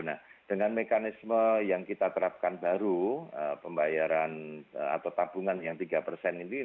nah dengan mekanisme yang kita terapkan baru pembayaran atau tabungan yang tiga persen ini